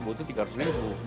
butuh tiga ratus ribu